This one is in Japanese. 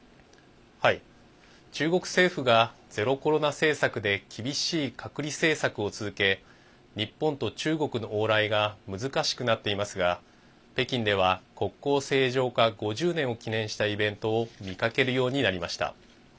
中国政府がゼロコロナ政策で厳しい隔離政策を続け日本と中国の往来が難しくなっていますが北京では、国交正常化５０年を記念したイベントを見かけるようになりました。